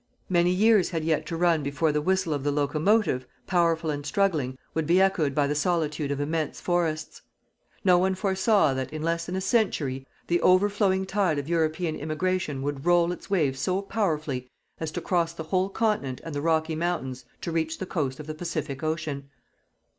Many years had yet to run before the whistle of the locomotive, powerful and struggling, would be echoed by the solitude of immense forests. No one foresaw that, in less than a century, the overflowing tide of European immigration would roll its waves so powerfully as to cross the whole continent and the Rocky Mountains to reach the coast of the Pacific Ocean.